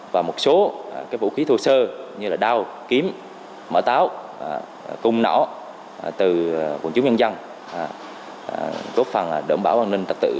và một số vũ khí thô sơ như là đao kiếm mở táo cung nỏ từ quần chúng dân dân